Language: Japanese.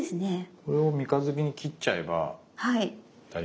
これを三日月に切っちゃえば大丈夫なんですかね？